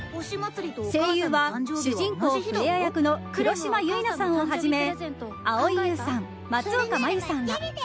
声優は主人公フレア役の黒島結菜さんをはじめ蒼井優さん、松岡茉優さんら。